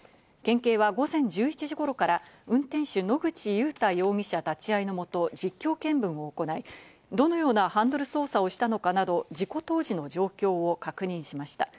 県警は午前１１時頃から運転手・野口祐太容疑者立ち会いのもと実況見分を行い、どのようなハンドル操作をしたのかなど事故当時の状況を確認しました。